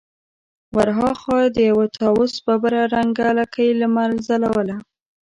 ور هاخوا د يوه طاوس ببره رنګه لکۍ لمر ځلوله.